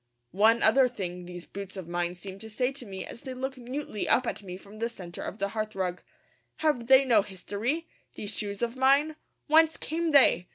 One other thing these boots of mine seem to say to me as they look mutely up at me from the centre of the hearthrug. Have they no history, these shoes of mine? Whence came they?